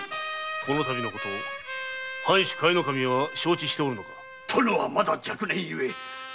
このたびのこと藩主・甲斐守は承知しておるのか殿はまだ若年ゆえ